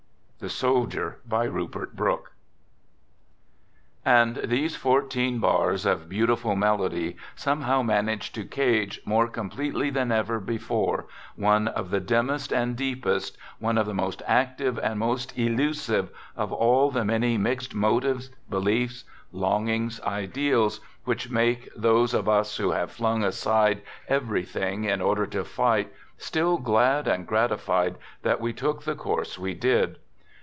{—" The Soldier," by Rupert Brooke. And these fourteen bars of beautiful melody some how manage to cage, more completely than ever before, one of the dimmest and deepest, one of the most active and most illusive, of all the many mixed motives, beliefs, longings, ideals, which make those of us who have flung aside everything in order to fight still glad and gratified that we took the course we did.